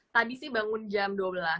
tadi sih bangun jam dua belas